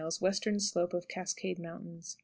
Western slope of Cascade Mountains.